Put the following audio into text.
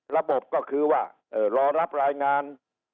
ระบบก็คือว่ารอรับรายงาน